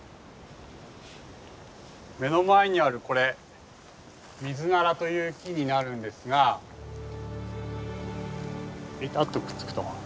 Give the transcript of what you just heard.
目の前にあるこれミズナラという木になるんですがベタッとくっつくと。